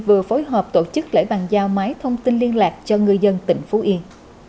vừa phối hợp tổ chức lễ bàn giao máy thông tin liên lạc cho người dân tỉnh phú yên